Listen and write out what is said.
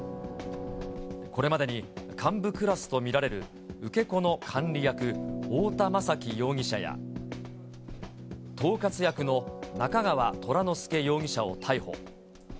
これまでに幹部クラスと見られる受け子の管理役、太田雅揮容疑者や、統括役の中川虎乃輔容疑者を逮捕。